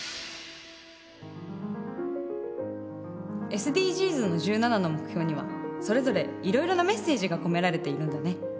ＳＤＧｓの１７の目標にはそれぞれいろいろなメッセージが込められているんだね。